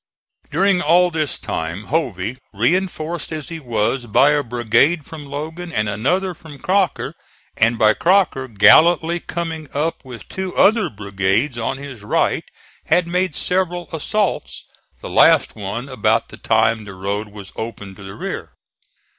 During all this time, Hovey, reinforced as he was by a brigade from Logan and another from Crocker, and by Crocker gallantly coming up with two other brigades on his right, had made several assaults, the last one about the time the road was opened to the rear.